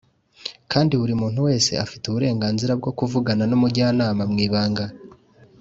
kandi buri muntu wese afite uburenganzira bwo kuvugana n’umujyanama mw‘ibanga.